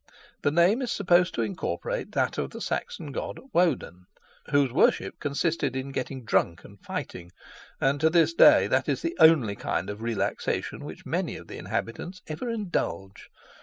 The name is supposed to incorporate that of the Saxon god Woden, whose worship consisted in getting drunk and fighting, and, to this day, that is the only kind of relaxation in which many of the inhabitants ever indulge.